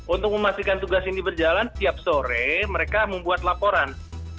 untuk memastikan tugas ini berjalan setiap sore mereka membuat laporan